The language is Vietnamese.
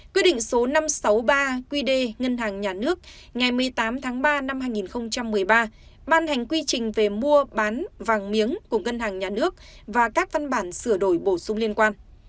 quyết định số năm trăm sáu mươi ba qd ngân hàng nhà nước ngày một mươi tám tháng ba năm hai nghìn một mươi ba ban hành quy trình về mua bán vàng miếng của ngân hàng nhà nước và các văn bản sửa đổi bổ sung liên quan